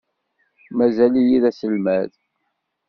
Mazal-iyi d aselmad.